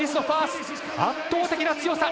圧倒的な強さ。